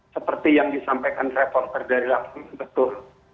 seperti yang disampaikan reporter dari laptom betul